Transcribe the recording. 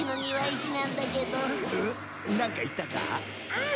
うん？